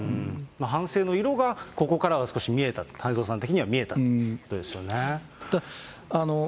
反省の色がここからは少し見えたと、太蔵さん的には見えたということですよね。